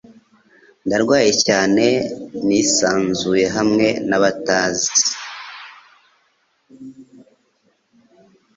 Ndarwaye cyane nisanzuye hamwe nabatazi.